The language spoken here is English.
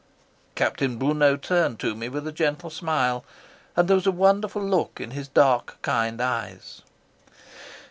'" Capitaine Brunot turned to me with a gentle smile, and there was a wonderful look in his dark, kind eyes.